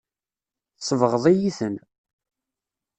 Tsebɣeḍ-iyi-ten.